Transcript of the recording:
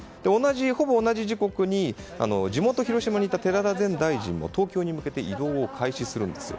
ほぼ同じ時刻に地元・広島にいた寺田前大臣も東京に向けて移動を開始します。